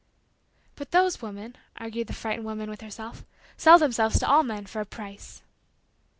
"But those women," argued the frightened woman with herself, "sell themselves to all men for a price."